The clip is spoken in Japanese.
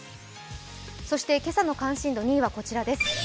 今朝の関心度２位はこちらです。